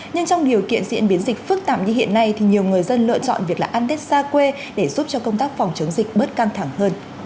nhưng trong điều kiện diễn biến dịch phức tạp như hiện nay thì nhiều người dân lựa chọn việc là ăn tết xa quê để giúp cho công tác phòng chống dịch bớt căng thẳng hơn